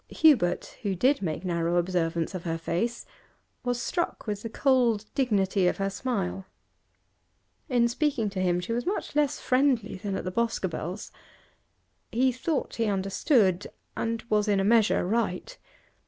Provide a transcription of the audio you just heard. Hubert, who did make narrow observance of her face, was struck with the cold dignity of her smile. In speaking to him she was much less friendly than at the Boscobels'. He thought he understood, and was in a measure right.